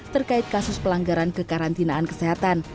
terkait kasus pelanggaran kekarantinaan kesehatan